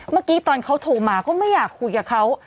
เมื่อกี้ตอนเขาโทรมาก็ไม่อยากคุยกับเขา